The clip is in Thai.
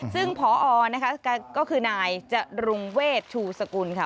ซึ่งพอนะคะก็คือนายจรุงเวชชูสกุลค่ะ